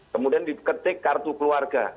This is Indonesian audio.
kemudian di ketik kartu keluarga